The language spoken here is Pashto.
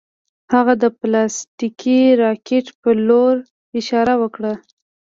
هغه د پلاستیکي راکټ په لور اشاره وکړه